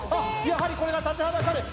やはりこれが立ちはだかる